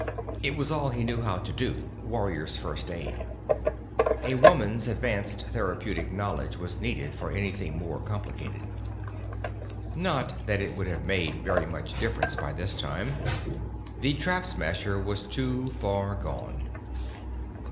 It was all he knew how to do: warrior's first aid. A woman's advanced therapeutic knowledge was needed for anything more complicated. Not that it would have made very much difference by this time. The Trap Smasher was too far gone.